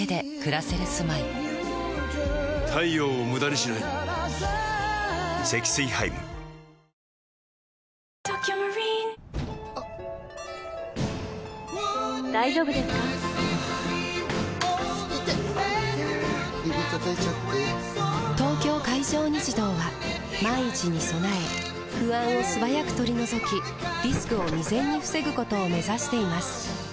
指たたいちゃって・・・「東京海上日動」は万一に備え不安を素早く取り除きリスクを未然に防ぐことを目指しています